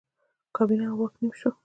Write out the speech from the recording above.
کابینه او واک نیم شو.